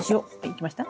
いきました？